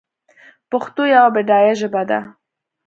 پښتو یوه بډایه ژبه ده